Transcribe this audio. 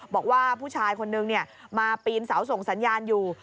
บอกว่าผู้ชายคนนึงมาปีนเสาส่งสัญญาณอยู่